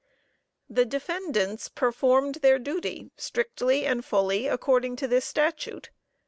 The defendants performed their duty strictly and fully according to the statute.